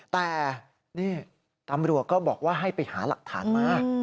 แต่นี่ตำรวจก็บอกว่าให้ไปหาหลักฐานมา